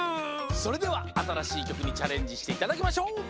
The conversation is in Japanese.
それではあたらしいきょくにチャレンジしていただきましょう。